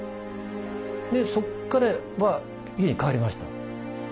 そこからまあ家に帰りました。